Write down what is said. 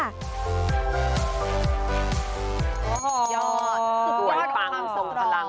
อ๋อสวยปังส่วนพลัง